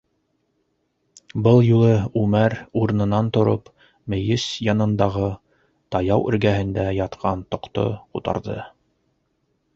Был юлы Үмәр, урынынан тороп, мейес янындағы таяу эргәһендә ятҡан тоҡто ҡутарҙы.